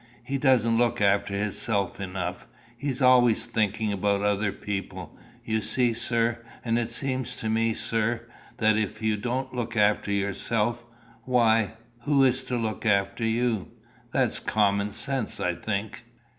He don't look after hisself enough; he's always thinking about other people, you see, sir; and it seems to me, sir, that if you don't look after yourself, why, who is to look after you? That's common sense, I think."